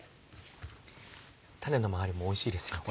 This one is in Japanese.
種の周りもおいしいですよね。